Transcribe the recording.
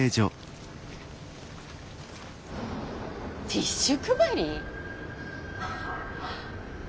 ティッシュ配り？